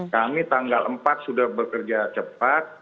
kami tanggal empat sudah bekerja cepat